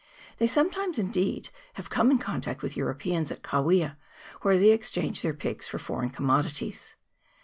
They sometimes, indeed, have come in contact with Euro peans at Kawia, where they exchange their pigs for foreign commodities.